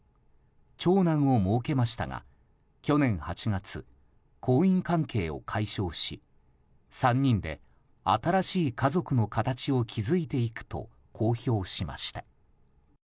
長男をもうけましたが去年８月、婚姻関係を解消し３人で新しい家族の形を築いていくと公表しました。